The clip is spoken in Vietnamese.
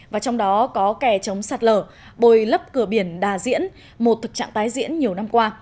và trong đó có kè chống sạt lở bồi lấp cửa biển đà diễn một thực trạng tái diễn nhiều năm qua